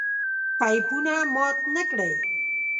پيپونه مات نکړئ!